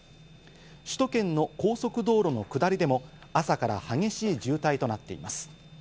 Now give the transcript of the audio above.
首都圏の高速道路の下りでも朝から激しい渋滞となっています。